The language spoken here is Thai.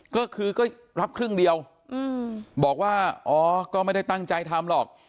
ก็คือก็รับครึ่งเดียวบอกว่าอ๋อก็ไม่ได้ตั้งใจทำหรอก